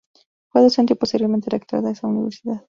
Fue docente y posteriormente rector de esa Universidad.